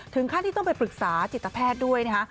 ถึงขั้นที่ต้องไปปรึกษาจิตแพทย์ด้วยนะคะ